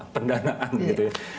pendanaan gitu ya